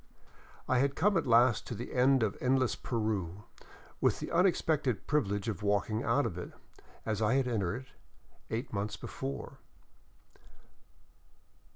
I had come at last to the end of endless Peru, with the unexpected privilege of walking out of it, as I had entered it eight months before.